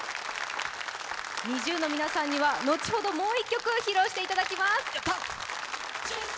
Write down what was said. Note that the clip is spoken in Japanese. ＮｉｚｉＵの皆さんには後ほどもう一曲披露していただきます。